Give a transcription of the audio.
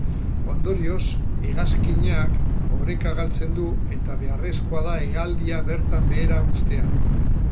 Ondorioz, hegazkinak oreka galtzen du eta beharrezkoa da hegaldia bertan behera uztea.